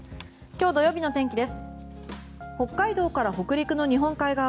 明日日曜日の天気です。